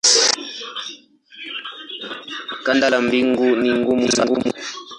Ganda la mbegu ni gumu sana.